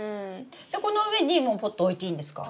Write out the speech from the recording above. この上にもうポット置いていいんですか？